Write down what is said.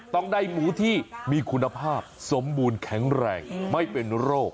ต้องได้หมูที่มีคุณภาพสมบูรณ์แข็งแรงไม่เป็นโรค